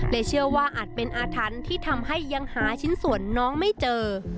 เชื่อว่าอาจเป็นอาถรรพ์ที่ทำให้ยังหาชิ้นส่วนน้องไม่เจอ